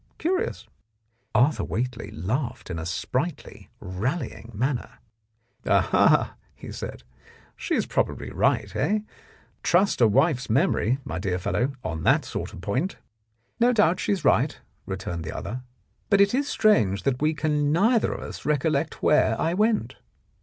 Curious !" Arthur Whately laughed in a sprightly, rallying manner. "Ah, ah," he said, "she is probably right, eh? Trust a wife's memory, my dear fellow, on that sort of point." 46 The Blackmailer of Park Lane "No doubt she is right," returned the other, "but it is strange that we can neither of us recollect where I went."